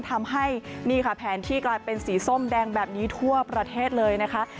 ทำให้นี่ค่ะแผนที่กลายเป็นสีส้มแดงแบบนี้ทั่วประเทศเลยนะคะ